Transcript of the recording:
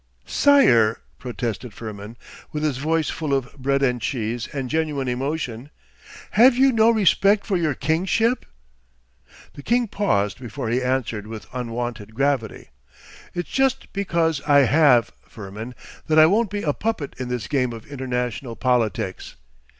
'Sire,' protested Firmin, with his voice full of bread and cheese and genuine emotion, 'have you no respect for your kingship?' The king paused before he answered with unwonted gravity. 'It's just because I have, Firmin, that I won't be a puppet in this game of international politics.